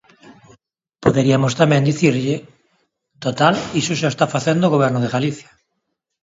Poderiamos tamén dicirlle: ¡total, iso xa o está facendo o Goberno de Galicia!